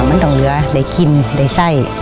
มันต้องเหลือได้กินได้ไส้